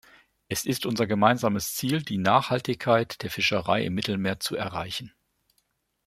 Es ist unser gemeinsames Ziel, die Nachhaltigkeit der Fischerei im Mittelmeer zu erreichen.